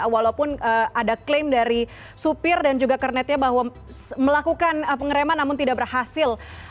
walaupun ada klaim dari supir dan juga kernetnya bahwa melakukan pengereman namun tidak berhasil